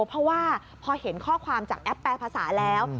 เพราะว่าพอเห็นข้อความจากแอปแปรภาษาแล้ว